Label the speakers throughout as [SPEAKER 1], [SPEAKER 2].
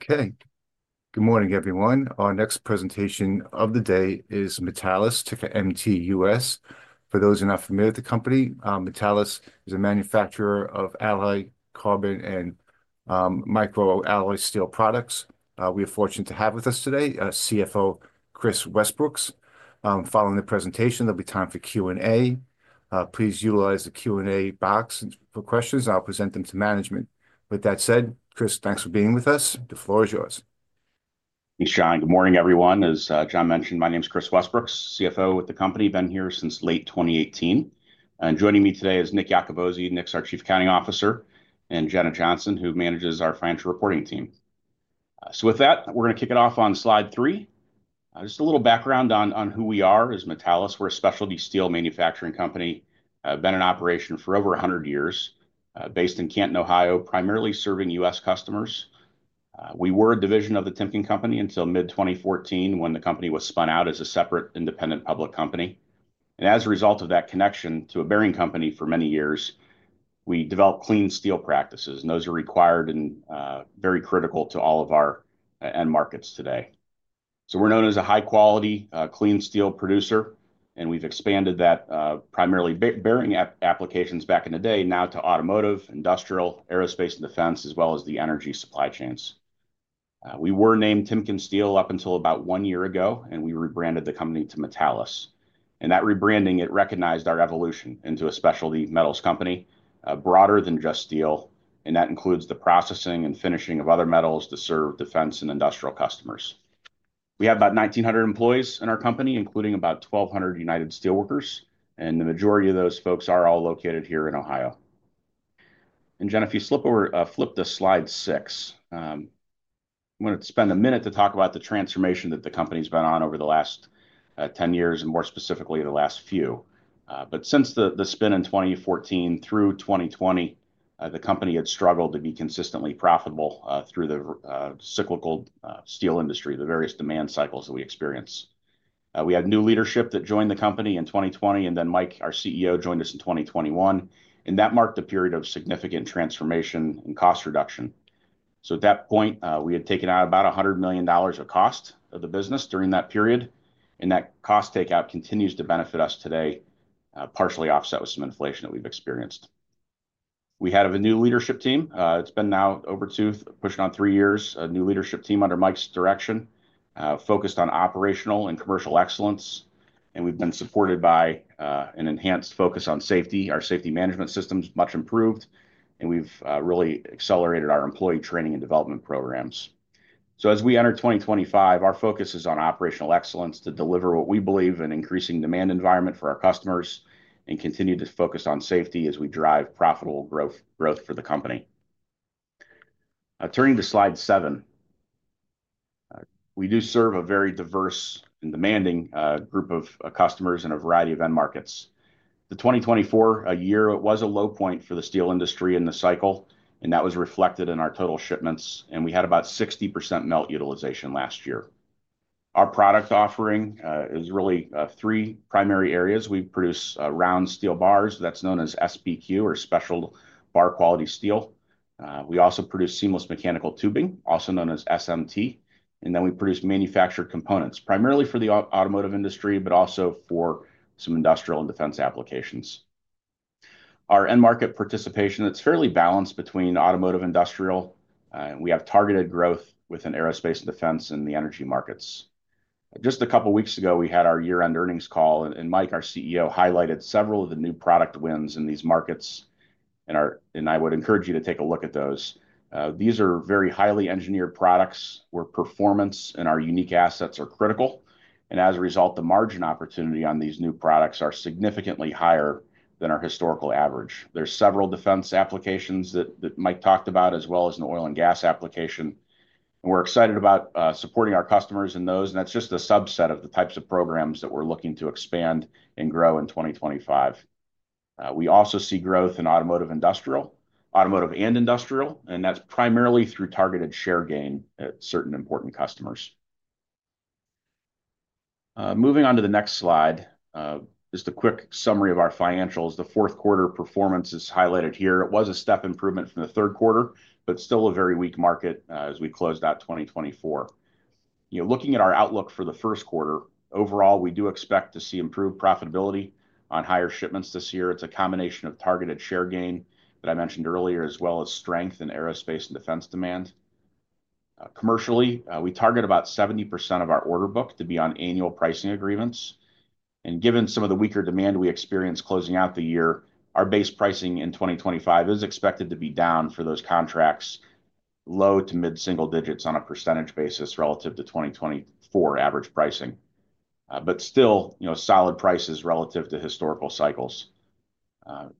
[SPEAKER 1] Okay. Good morning, everyone. Our next presentation of the day is Metallus to MTUS. For those who are not familiar with the company, Metallus is a manufacturer of alloy, carbon, and micro-alloy steel products. We are fortunate to have with us today CFO Kris Westbrooks. Following the presentation, there'll be time for Q&A. Please utilize the Q&A box for questions, and I'll present them to management. With that said, Kris, thanks for being with us. The floor is yours.
[SPEAKER 2] Thanks, John. Good morning, everyone. As John mentioned, my name is Kris Westbrooks, CFO with the company. I've been here since late 2018. Joining me today is Nick Yacobozzi, Nick's our Chief Accounting Officer, and Jenna Johnson, who manages our financial reporting team. With that, we're going to kick it off on slide three. Just a little background on who we are as Metallus. We're a specialty steel manufacturing company. Been in operation for over 100 years, based in Canton, Ohio, primarily serving U.S. customers. We were a division of the Timken Company until mid-2014, when the company was spun out as a separate independent public company. As a result of that connection to a bearing company for many years, we develop clean steel practices, and those are required and very critical to all of our end markets today. We're known as a high-quality clean steel producer, and we've expanded that primarily bearing applications back in the day, now to automotive, industrial, aerospace, and defense, as well as the energy supply chains. We were named TimkenSteel up until about one year ago, and we rebranded the company to Metallus. That rebranding recognized our evolution into a specialty metals company, broader than just steel, and that includes the processing and finishing of other metals to serve defense and industrial customers. We have about 1,900 employees in our company, including about 1,200 United Steelworkers, and the majority of those folks are all located here in Ohio. Jenna, if you flip to slide six, I'm going to spend a minute to talk about the transformation that the company's been on over the last 10 years, and more specifically the last few. Since the spin in 2014 through 2020, the company had struggled to be consistently profitable through the cyclical steel industry, the various demand cycles that we experienced. We had new leadership that joined the company in 2020, and then Mike, our CEO, joined us in 2021, and that marked a period of significant transformation and cost reduction. At that point, we had taken out about $100 million of cost of the business during that period, and that cost takeout continues to benefit us today, partially offset with some inflation that we've experienced. We had a new leadership team. It's been now over two, pushing on three years, a new leadership team under Mike's direction, focused on operational and commercial excellence, and we've been supported by an enhanced focus on safety. Our safety management system is much improved, and we've really accelerated our employee training and development programs. As we enter 2025, our focus is on operational excellence to deliver what we believe in an increasing demand environment for our customers and continue to focus on safety as we drive profitable growth for the company. Turning to slide seven, we do serve a very diverse and demanding group of customers in a variety of end markets. The 2024 year, it was a low point for the steel industry in the cycle, and that was reflected in our total shipments, and we had about 60% melt utilization last year. Our product offering is really three primary areas. We produce round steel bars that's known as SBQ or special bar quality steel. We also produce seamless mechanical tubing, also known as SMT, and then we produce manufactured components, primarily for the automotive industry, but also for some industrial and defense applications. Our end market participation, it's fairly balanced between automotive and industrial, and we have targeted growth within aerospace, defense, and the energy markets. Just a couple of weeks ago, we had our year-end earnings call, and Mike, our CEO, highlighted several of the new product wins in these markets, and I would encourage you to take a look at those. These are very highly engineered products where performance and our unique assets are critical, and as a result, the margin opportunity on these new products is significantly higher than our historical average. There are several defense applications that Mike talked about, as well as an oil and gas application, and we're excited about supporting our customers in those, and that's just a subset of the types of programs that we're looking to expand and grow in 2025. We also see growth in automotive and industrial, and that's primarily through targeted share gain at certain important customers. Moving on to the next slide is the quick summary of our financials. The fourth quarter performance is highlighted here. It was a step improvement from the third quarter, but still a very weak market as we closed out 2024. Looking at our outlook for the first quarter, overall, we do expect to see improved profitability on higher shipments this year. It's a combination of targeted share gain that I mentioned earlier, as well as strength in aerospace and defense demand. Commercially, we target about 70% of our order book to be on annual pricing agreements, and given some of the weaker demand we experienced closing out the year, our base pricing in 2025 is expected to be down for those contracts, low to mid-single digits on a percentage basis relative to 2024 average pricing, but still solid prices relative to historical cycles.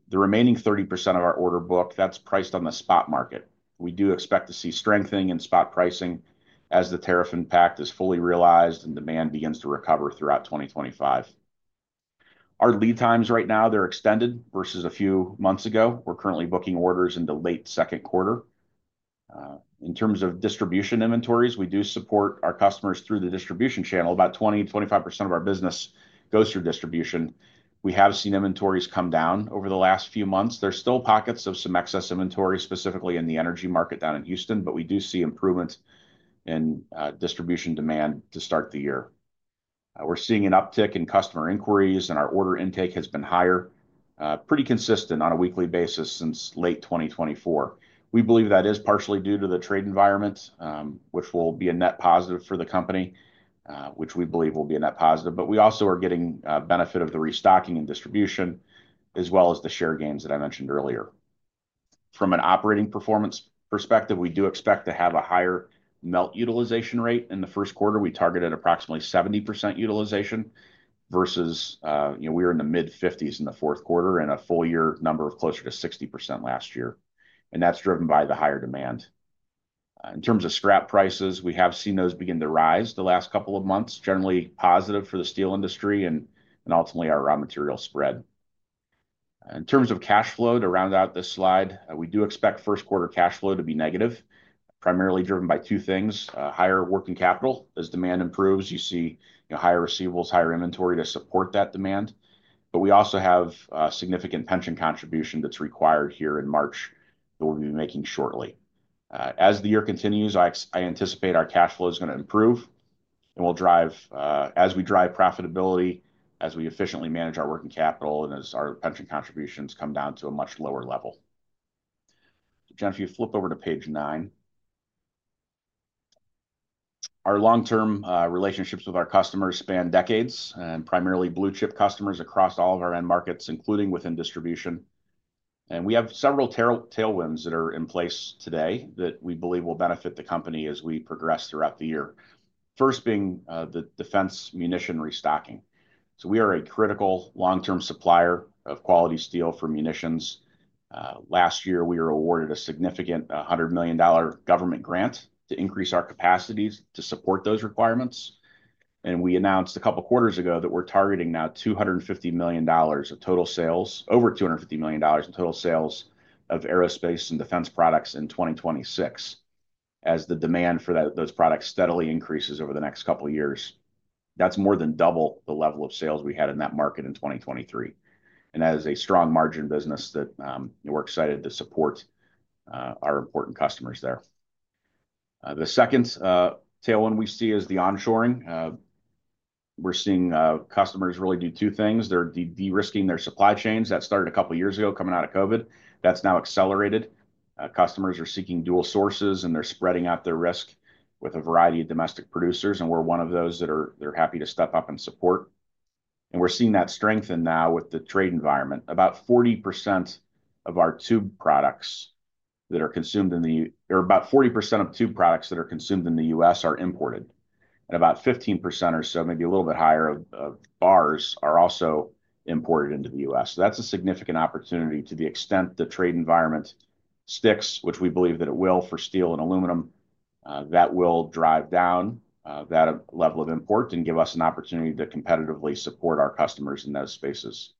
[SPEAKER 2] The remaining 30% of our order book, that's priced on the spot market. We do expect to see strengthening in spot pricing as the tariff impact is fully realized and demand begins to recover throughout 2025. Our lead times right now, they're extended versus a few months ago. We're currently booking orders into late second quarter. In terms of distribution inventories, we do support our customers through the distribution channel. About 20%-25% of our business goes through distribution. We have seen inventories come down over the last few months. There are still pockets of some excess inventory, specifically in the energy market down in Houston, but we do see improvement in distribution demand to start the year. We are seeing an uptick in customer inquiries, and our order intake has been higher, pretty consistent on a weekly basis since late 2024. We believe that is partially due to the trade environment, which will be a net positive for the company, which we believe will be a net positive, but we also are getting benefit of the restocking and distribution, as well as the share gains that I mentioned earlier. From an operating performance perspective, we do expect to have a higher melt utilization rate in the first quarter. We targeted approximately 70% utilization versus we were in the mid-50s in the fourth quarter and a full year number of closer to 60% last year, and that's driven by the higher demand. In terms of scrap prices, we have seen those begin to rise the last couple of months, generally positive for the steel industry and ultimately our raw material spread. In terms of cash flow, to round out this slide, we do expect first quarter cash flow to be negative, primarily driven by two things: higher working capital. As demand improves, you see higher receivables, higher inventory to support that demand, but we also have a significant pension contribution that's required here in March that we'll be making shortly. As the year continues, I anticipate our cash flow is going to improve, and we'll drive, as we drive profitability, as we efficiently manage our working capital and as our pension contributions come down to a much lower level. Jenna, if you flip over to page nine, our long-term relationships with our customers span decades and primarily blue-chip customers across all of our end markets, including within distribution, and we have several tailwinds that are in place today that we believe will benefit the company as we progress throughout the year, first being the defense munition restocking. We are a critical long-term supplier of quality steel for munitions. Last year, we were awarded a significant $100 million government grant to increase our capacities to support those requirements, and we announced a couple of quarters ago that we're targeting now $250 million of total sales, over $250 million in total sales of aerospace and defense products in 2026, as the demand for those products steadily increases over the next couple of years. That's more than double the level of sales we had in that market in 2023, and that is a strong margin business that we're excited to support our important customers there. The second tailwind we see is the onshoring. We're seeing customers really do two things. They're de-risking their supply chains. That started a couple of years ago coming out of COVID. That's now accelerated. Customers are seeking dual sources, and they're spreading out their risk with a variety of domestic producers, and we're one of those that are happy to step up and support, and we're seeing that strengthen now with the trade environment. About 40% of our tube products that are consumed in the U.S. are imported, and about 15% or so, maybe a little bit higher, of bars are also imported into the U.S. That is a significant opportunity to the extent the trade environment sticks, which we believe that it will for steel and aluminum. That will drive down that level of import and give us an opportunity to competitively support our customers in those spaces.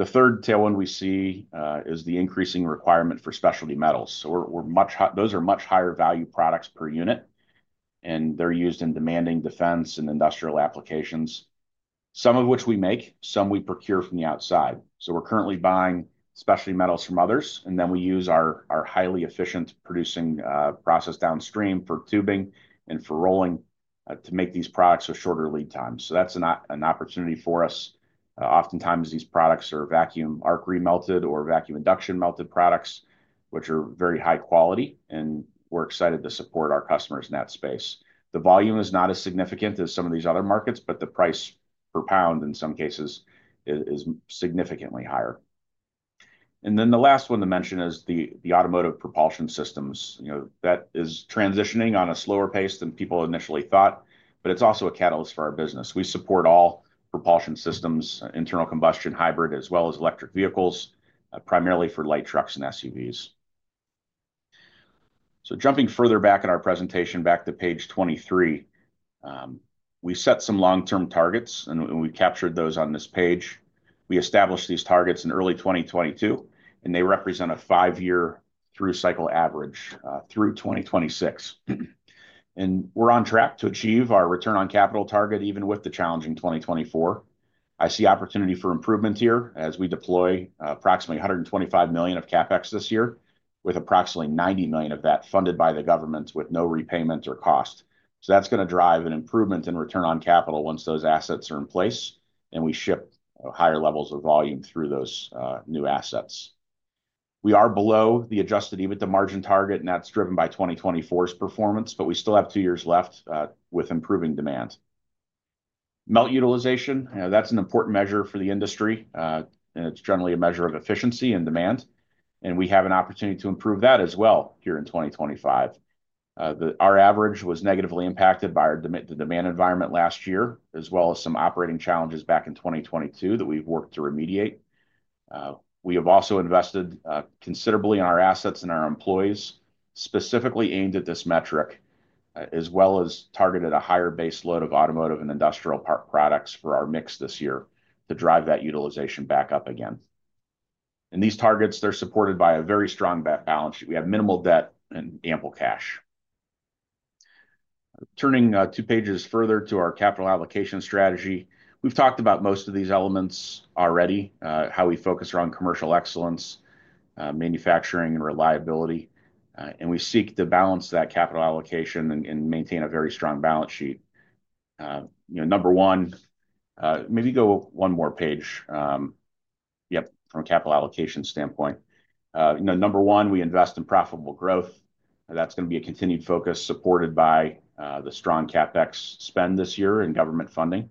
[SPEAKER 2] The third tailwind we see is the increasing requirement for specialty metals. Those are much higher value products per unit, and they're used in demanding defense and industrial applications, some of which we make, some we procure from the outside. We're currently buying specialty metals from others, and then we use our highly efficient producing process downstream for tubing and for rolling to make these products with shorter lead times. That's an opportunity for us. Oftentimes, these products are vacuum arc remelted or vacuum induction melted products, which are very high quality, and we're excited to support our customers in that space. The volume is not as significant as some of these other markets, but the price per pound in some cases is significantly higher. The last one to mention is the automotive propulsion systems. That is transitioning on a slower pace than people initially thought, but it's also a catalyst for our business. We support all propulsion systems, internal combustion hybrid, as well as electric vehicles, primarily for light trucks and SUVs. Jumping further back in our presentation, back to page 23, we set some long-term targets, and we captured those on this page. We established these targets in early 2022, and they represent a five-year through cycle average through 2026, and we're on track to achieve our return on capital target even with the challenging 2024. I see opportunity for improvement here as we deploy approximately $125 million of CapEx this year, with approximately $90 million of that funded by the government with no repayment or cost. That is going to drive an improvement in return on capital once those assets are in place, and we ship higher levels of volume through those new assets. We are below the adjusted EBITDA margin target, and that's driven by 2024's performance, but we still have two years left with improving demand. Melt utilization, that's an important measure for the industry, and it's generally a measure of efficiency and demand, and we have an opportunity to improve that as well here in 2025. Our average was negatively impacted by the demand environment last year, as well as some operating challenges back in 2022 that we've worked to remediate. We have also invested considerably in our assets and our employees, specifically aimed at this metric, as well as targeted a higher base load of automotive and industrial products for our mix this year to drive that utilization back up again. These targets, they're supported by a very strong balance sheet. We have minimal debt and ample cash. Turning two pages further to our capital allocation strategy, we've talked about most of these elements already, how we focus around commercial excellence, manufacturing, and reliability, and we seek to balance that capital allocation and maintain a very strong balance sheet. Number one, maybe go one more page. Yep, from a capital allocation standpoint. Number one, we invest in profitable growth. That's going to be a continued focus supported by the strong CapEx spend this year and government funding.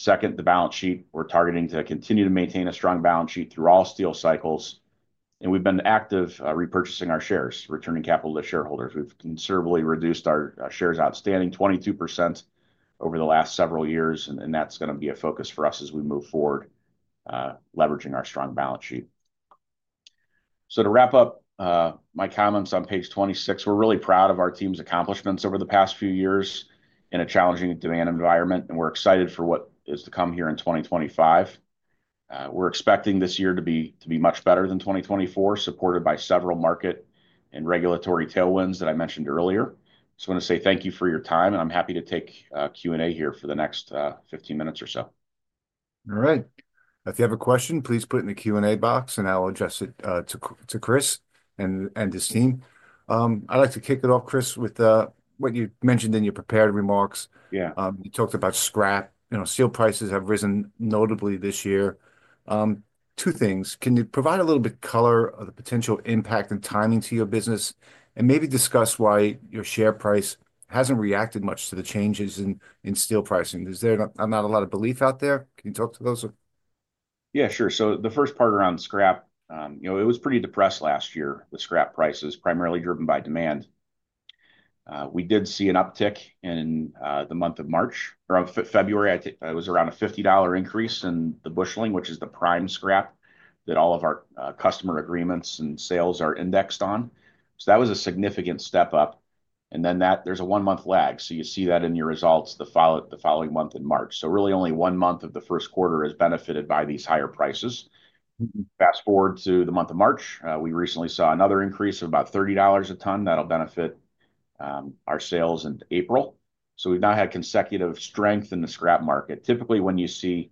[SPEAKER 2] Second, the balance sheet, we're targeting to continue to maintain a strong balance sheet through all steel cycles, and we've been active repurchasing our shares, returning capital to shareholders. We've considerably reduced our shares outstanding 22% over the last several years, and that's going to be a focus for us as we move forward, leveraging our strong balance sheet. To wrap up my comments on page 26, we're really proud of our team's accomplishments over the past few years in a challenging demand environment, and we're excited for what is to come here in 2025. We're expecting this year to be much better than 2024, supported by several market and regulatory tailwinds that I mentioned earlier. I want to say thank you for your time, and I'm happy to take Q&A here for the next 15 minutes or so.
[SPEAKER 1] All right. If you have a question, please put it in the Q&A box, and I'll address it to Kris and his team. I'd like to kick it off, Kris, with what you mentioned in your prepared remarks. You talked about scrap. Steel prices have risen notably this year. Two things. Can you provide a little bit of color of the potential impact and timing to your business, and maybe discuss why your share price hasn't reacted much to the changes in steel pricing? Is there not a lot of belief out there? Can you talk to those?
[SPEAKER 2] Yeah, sure. The first part around scrap, it was pretty depressed last year, the scrap prices, primarily driven by demand. We did see an uptick in the month of March, or February. It was around a $50 increase in the busheling, which is the prime scrap that all of our customer agreements and sales are indexed on. That was a significant step up, and then there's a one-month lag. You see that in your results the following month in March. Really only one month of the first quarter has benefited by these higher prices. Fast forward to the month of March, we recently saw another increase of about $30 a ton that'll benefit our sales in April. We have now had consecutive strength in the scrap market. Typically, when you see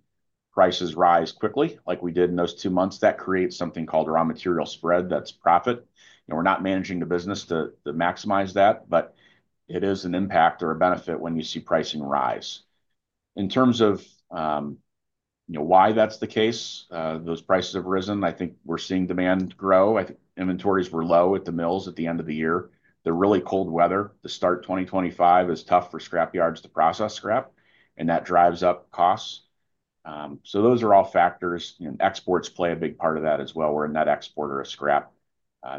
[SPEAKER 2] prices rise quickly, like we did in those two months, that creates something called raw material spread, that is profit. We are not managing the business to maximize that, but it is an impact or a benefit when you see pricing rise. In terms of why that is the case, those prices have risen. I think we are seeing demand grow. Inventories were low at the mills at the end of the year. There was really cold weather. The start of 2025 is tough for scrap yards to process scrap, and that drives up costs. Those are all factors, and exports play a big part of that as well. We are a net exporter of scrap.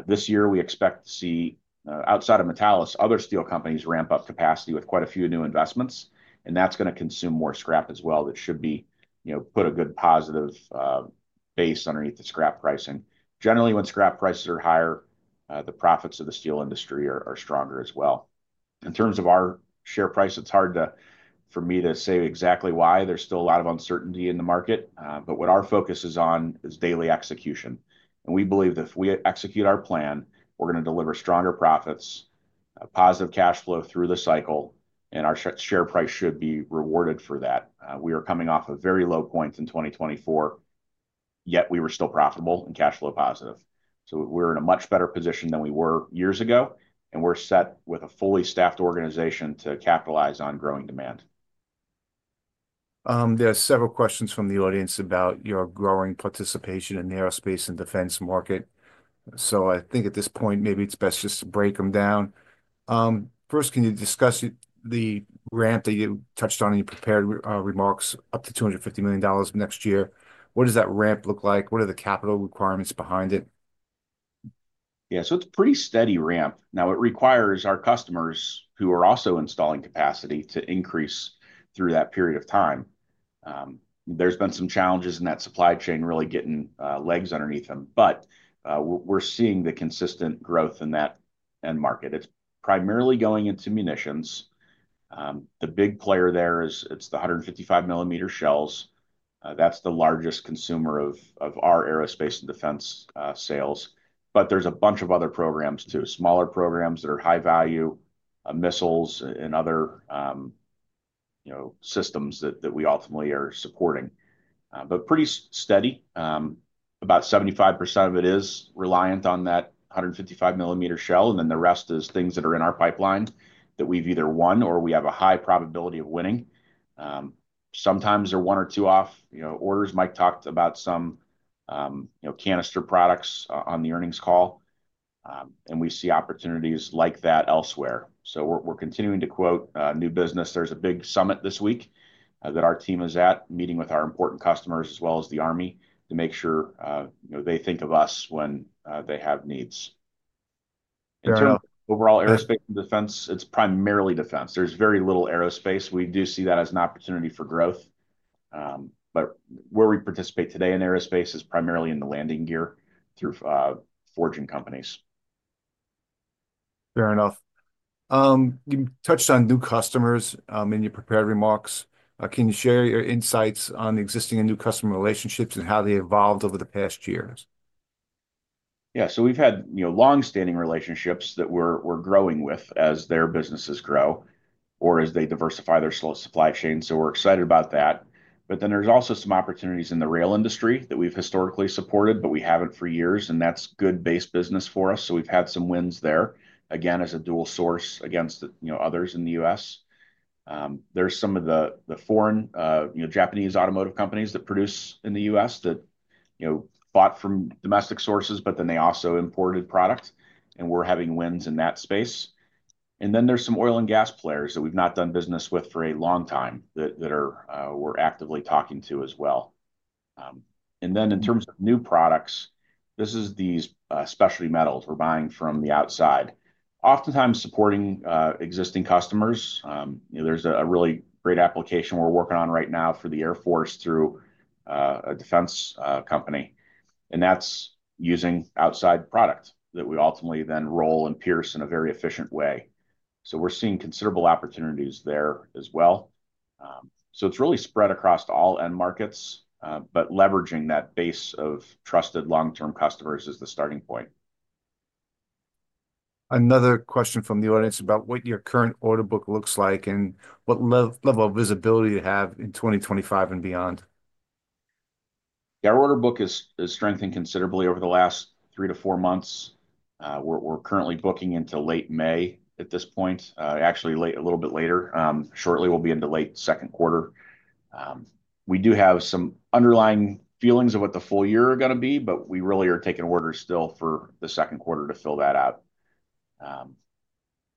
[SPEAKER 2] This year, we expect to see, outside of Metallus, other steel companies ramp up capacity with quite a few new investments, and that's going to consume more scrap as well. That should put a good positive base underneath the scrap pricing. Generally, when scrap prices are higher, the profits of the steel industry are stronger as well. In terms of our share price, it's hard for me to say exactly why. There's still a lot of uncertainty in the market, but what our focus is on is daily execution, and we believe that if we execute our plan, we're going to deliver stronger profits, positive cash flow through the cycle, and our share price should be rewarded for that. We are coming off a very low point in 2024, yet we were still profitable and cash flow positive. We're in a much better position than we were years ago, and we're set with a fully staffed organization to capitalize on growing demand.
[SPEAKER 1] There are several questions from the audience about your growing participation in the aerospace and defense market. I think at this point, maybe it's best just to break them down. First, can you discuss the ramp that you touched on in your prepared remarks? Up to $250 million next year. What does that ramp look like? What are the capital requirements behind it?
[SPEAKER 2] Yeah. It's a pretty steady ramp. Now, it requires our customers who are also installing capacity to increase through that period of time. There's been some challenges in that supply chain really getting legs underneath them, but we're seeing the consistent growth in that end market. It's primarily going into munitions. The big player there is it's the 155 millimeter shells. That's the largest consumer of our aerospace and defense sales, but there's a bunch of other programs too, smaller programs that are high value, missiles, and other systems that we ultimately are supporting. Pretty steady. About 75% of it is reliant on that 155 millimeter shell, and then the rest is things that are in our pipeline that we've either won or we have a high probability of winning. Sometimes they're one or two off. Orders Mike talked about some canister products on the earnings call, and we see opportunities like that elsewhere. We are continuing to quote new business. There's a big summit this week that our team is at, meeting with our important customers as well as the army to make sure they think of us when they have needs. In terms of overall aerospace and defense, it's primarily defense. There's very little aerospace. We do see that as an opportunity for growth, but where we participate today in aerospace is primarily in the landing gear through forging companies.
[SPEAKER 1] Fair enough. You touched on new customers in your prepared remarks. Can you share your insights on existing and new customer relationships and how they evolved over the past years?
[SPEAKER 2] Yeah. We've had long-standing relationships that we're growing with as their businesses grow or as they diversify their supply chain. We're excited about that. There's also some opportunities in the rail industry that we've historically supported, but we haven't for years, and that's good base business for us. We've had some wins there, again, as a dual source against others in the U.S. There are some of the foreign Japanese automotive companies that produce in the U.S. that bought from domestic sources, but then they also imported product, and we're having wins in that space. There are some oil and gas players that we've not done business with for a long time that we're actively talking to as well. In terms of new products, this is these specialty metals we're buying from the outside, oftentimes supporting existing customers. There's a really great application we're working on right now for the Air Force through a defense company, and that's using outside product that we ultimately then roll and pierce in a very efficient way. We are seeing considerable opportunities there as well. It is really spread across all end markets, but leveraging that base of trusted long-term customers is the starting point.
[SPEAKER 1] Another question from the audience about what your current order book looks like and what level of visibility you have in 2025 and beyond.
[SPEAKER 2] Yeah. Our order book has strengthened considerably over the last three to four months. We're currently booking into late May at this point, actually a little bit later. Shortly, we'll be into late second quarter. We do have some underlying feelings of what the full year are going to be, but we really are taking orders still for the second quarter to fill that out.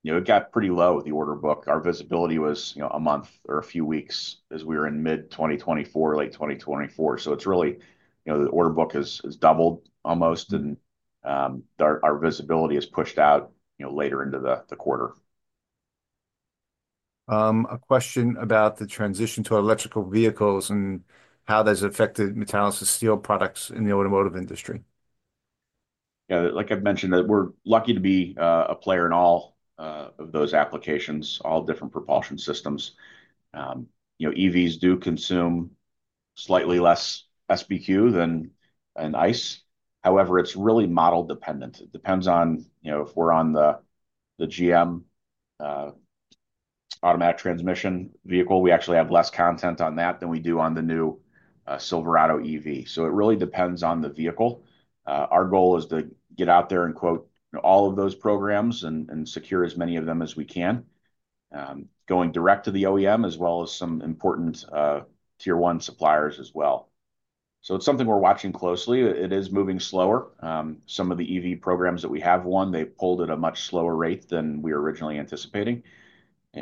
[SPEAKER 2] It got pretty low, the order book. Our visibility was a month or a few weeks as we were in mid-2024, late 2024. It is really the order book has doubled almost, and our visibility is pushed out later into the quarter.
[SPEAKER 1] A question about the transition to electrical vehicles and how that's affected Metallus's steel products in the automotive industry.
[SPEAKER 2] Yeah. Like I have mentioned, we are lucky to be a player in all of those applications, all different propulsion systems. EVs do consume slightly less SBQ than an ICE. However, it is really model-dependent. It depends on if we are on the GM automatic transmission vehicle, we actually have less content on that than we do on the new Silverado EV. It really depends on the vehicle. Our goal is to get out there and quote all of those programs and secure as many of them as we can, going direct to the OEM as well as some important tier one suppliers as well. It is something we are watching closely. It is moving slower. Some of the EV programs that we have won, they pulled at a much slower rate than we were originally anticipating.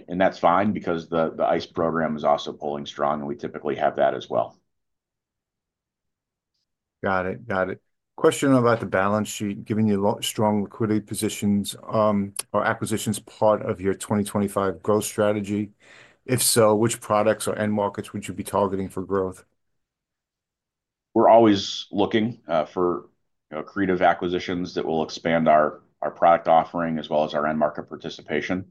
[SPEAKER 2] That's fine because the ICE program is also pulling strong, and we typically have that as well.
[SPEAKER 1] Got it. Got it. Question about the balance sheet, giving you strong liquidity positions, are acquisitions part of your 2025 growth strategy? If so, which products or end markets would you be targeting for growth?
[SPEAKER 2] We're always looking for creative acquisitions that will expand our product offering as well as our end market participation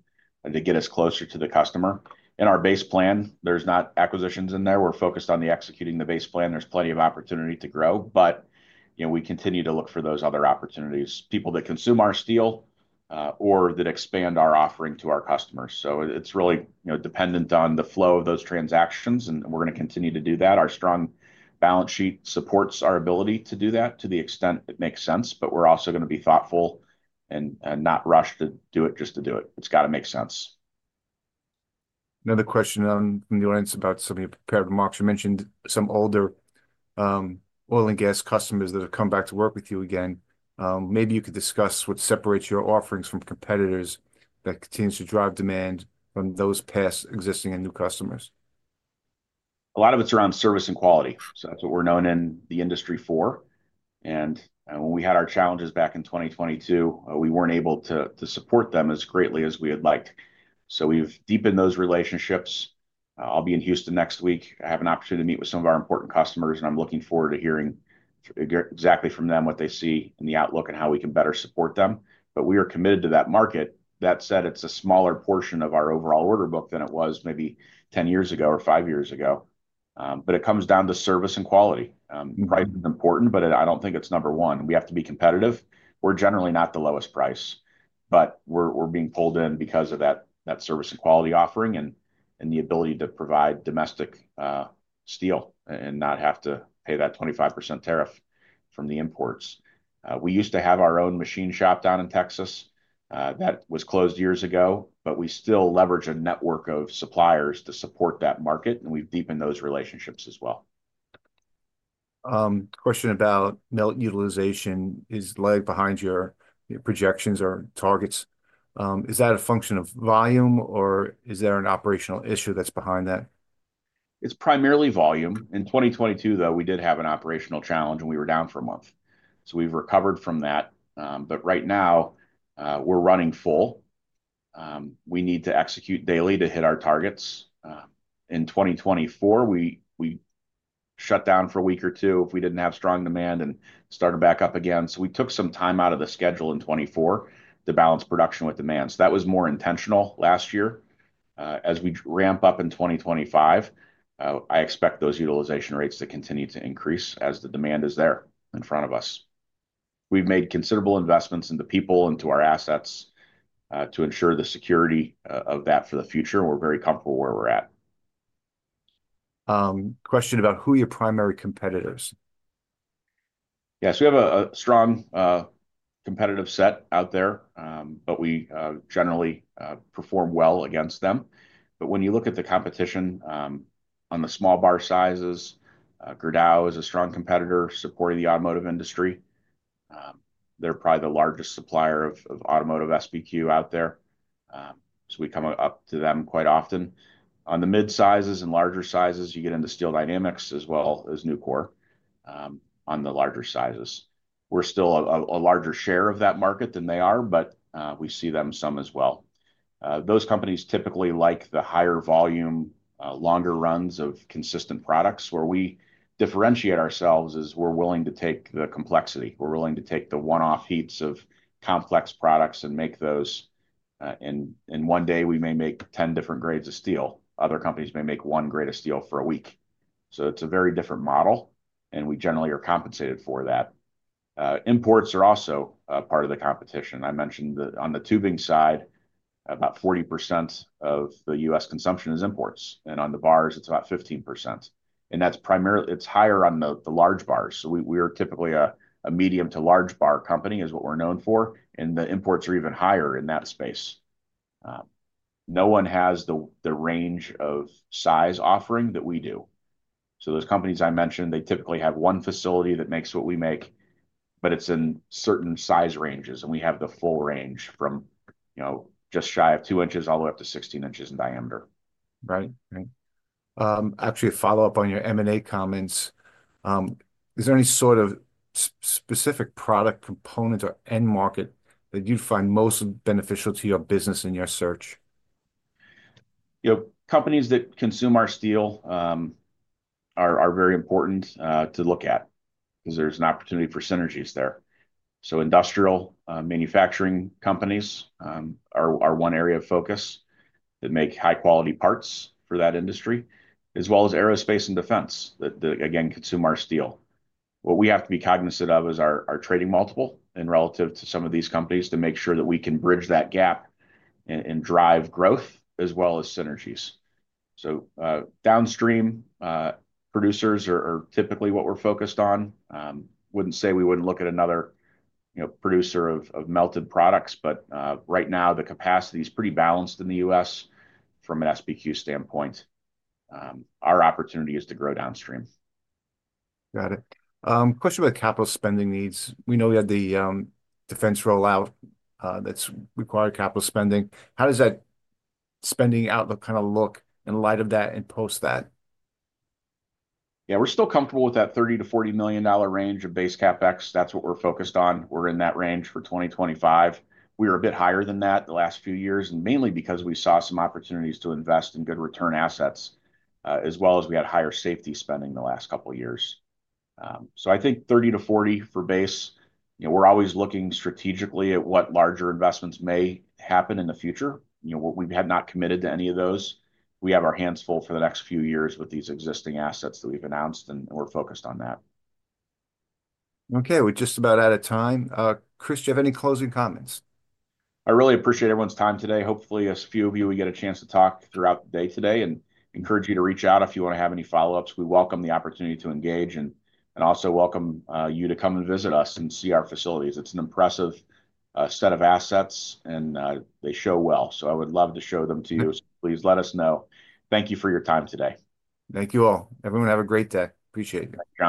[SPEAKER 2] to get us closer to the customer. In our base plan, there's not acquisitions in there. We're focused on executing the base plan. There's plenty of opportunity to grow, but we continue to look for those other opportunities, people that consume our steel or that expand our offering to our customers. It is really dependent on the flow of those transactions, and we're going to continue to do that. Our strong balance sheet supports our ability to do that to the extent it makes sense, but we're also going to be thoughtful and not rush to do it just to do it. It's got to make sense.
[SPEAKER 1] Another question from the audience about some of your prepared remarks. You mentioned some older oil and gas customers that have come back to work with you again. Maybe you could discuss what separates your offerings from competitors that continues to drive demand from those past existing and new customers.
[SPEAKER 2] A lot of it's around service and quality. That's what we're known in the industry for. When we had our challenges back in 2022, we weren't able to support them as greatly as we had liked. We have deepened those relationships. I'll be in Houston next week. I have an opportunity to meet with some of our important customers, and I'm looking forward to hearing exactly from them what they see in the outlook and how we can better support them. We are committed to that market. That said, it's a smaller portion of our overall order book than it was maybe 10 years ago or 5 years ago. It comes down to service and quality. Price is important, but I don't think it's number one. We have to be competitive. We're generally not the lowest price, but we're being pulled in because of that service and quality offering and the ability to provide domestic steel and not have to pay that 25% tariff from the imports. We used to have our own machine shop down in Texas. That was closed years ago, but we still leverage a network of suppliers to support that market, and we've deepened those relationships as well.
[SPEAKER 1] Question about mill utilization. Is it lagging behind your projections or targets? Is that a function of volume, or is there an operational issue that's behind that?
[SPEAKER 2] It's primarily volume. In 2022, though, we did have an operational challenge, and we were down for a month. We have recovered from that. Right now, we're running full. We need to execute daily to hit our targets. In 2024, we shut down for a week or two if we didn't have strong demand and started back up again. We took some time out of the schedule in 2024 to balance production with demand. That was more intentional last year. As we ramp up in 2025, I expect those utilization rates to continue to increase as the demand is there in front of us. We've made considerable investments in the people and to our assets to ensure the security of that for the future, and we're very comfortable where we're at.
[SPEAKER 1] Question about who your primary competitors?
[SPEAKER 2] Yes. We have a strong competitive set out there, but we generally perform well against them. When you look at the competition on the small bar sizes, Gerdau is a strong competitor supporting the automotive industry. They're probably the largest supplier of automotive SBQ out there. We come up to them quite often. On the mid sizes and larger sizes, you get into Steel Dynamics as well as Nucor on the larger sizes. We're still a larger share of that market than they are, but we see them some as well. Those companies typically like the higher volume, longer runs of consistent products. Where we differentiate ourselves is we're willing to take the complexity. We're willing to take the one-off heats of complex products and make those. In one day, we may make 10 different grades of steel. Other companies may make one grade of steel for a week. It is a very different model, and we generally are compensated for that. Imports are also part of the competition. I mentioned that on the tubing side, about 40% of the U.S. consumption is imports. On the bars, it is about 15%. It is higher on the large bars. We are typically a medium to large bar company, which is what we're known for, and the imports are even higher in that space. No one has the range of size offering that we do. Those companies I mentioned, they typically have one facility that makes what we make, but it's in certain size ranges, and we have the full range from just shy of 2 inches all the way up to 16 inches in diameter.
[SPEAKER 1] Right. Right. Actually, follow up on your M&A comments. Is there any sort of specific product components or end market that you'd find most beneficial to your business in your search?
[SPEAKER 2] Companies that consume our steel are very important to look at because there's an opportunity for synergies there. Industrial manufacturing companies are one area of focus that make high-quality parts for that industry, as well as aerospace and defense that, again, consume our steel. What we have to be cognizant of is our trading multiple relative to some of these companies to make sure that we can bridge that gap and drive growth as well as synergies. Downstream producers are typically what we're focused on. Wouldn't say we wouldn't look at another producer of melted products, but right now, the capacity is pretty balanced in the U.S. from an SBQ standpoint. Our opportunity is to grow downstream.
[SPEAKER 1] Got it. Question about capital spending needs. We know we had the defense rollout that's required capital spending. How does that spending outlook kind of look in light of that and post that?
[SPEAKER 2] Yeah. We're still comfortable with that $30 million-$40 million range of base CapEx. That's what we're focused on. We're in that range for 2025. We were a bit higher than that the last few years, mainly because we saw some opportunities to invest in good return assets, as well as we had higher safety spending the last couple of years. I think $30-$40 million for base. We're always looking strategically at what larger investments may happen in the future. We have not committed to any of those. We have our hands full for the next few years with these existing assets that we've announced, and we're focused on that.
[SPEAKER 1] Okay. We're just about out of time. Kris, do you have any closing comments?
[SPEAKER 2] I really appreciate everyone's time today. Hopefully, a few of you we get a chance to talk throughout the day today and encourage you to reach out if you want to have any follow-ups. We welcome the opportunity to engage and also welcome you to come and visit us and see our facilities. It is an impressive set of assets, and they show well. I would love to show them to you. Please let us know. Thank you for your time today.
[SPEAKER 1] Thank you all. Everyone, have a great day. Appreciate it.